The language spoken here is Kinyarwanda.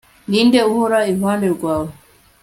ninde uhora iruhande rwawe